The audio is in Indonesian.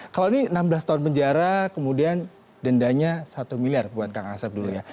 kalau ini enam belas tahun penjara kemudian dendanya satu miliar buat kang asep dulu ya